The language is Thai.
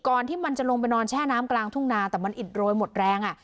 ที่มันจะลงไปนอนแช่น้ำกลางทุ่งนาแต่มันอิดโรยหมดแรง